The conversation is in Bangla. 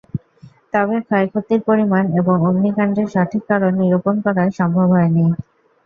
তবে ক্ষয়ক্ষতির পরিমাণ এবং অগ্নিকাণ্ডের সঠিক কারণ নিরুপণ করা সম্ভব হয়নি।